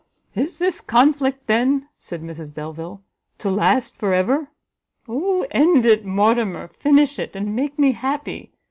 "Is this conflict, then," said Mrs Delvile, "to last for ever? Oh end it, Mortimer, finish it, and make me happy!